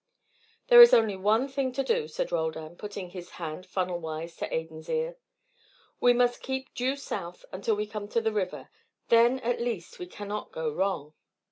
"There is only one thing to do," said Roldan, putting his hand funnel wise to Adan's ear. "We must keep due south until we come to the river. Then, at least, we cannot go wrong."